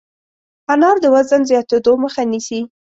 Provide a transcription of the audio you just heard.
انار د وزن زیاتېدو مخه نیسي.